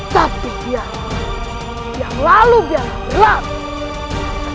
tapi biar lalu biar lalu biar lalu